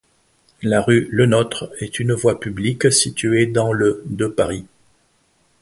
La rue Le Nôtre est une voie publique située dans le de Paris.